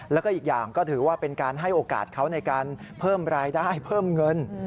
แล้วก็อีกอย่างก็ถือว่าเป็นการให้โอกาสเขาในการเพิ่มรายได้เพิ่มเงิน